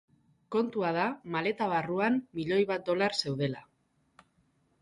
Kontua da maleta barruan milioi bat dolar zeudela.